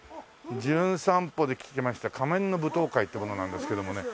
『じゅん散歩』で来ました仮面の舞踏会って者なんですけどもね。